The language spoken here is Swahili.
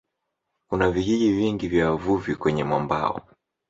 Kuna vijiji vingi vya wavuvi kwenye mwambao.